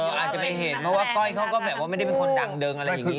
อาจจะไม่เห็นเพราะว่าก้อยเขาก็แบบว่าไม่ได้เป็นคนดังเดิงอะไรอย่างนี้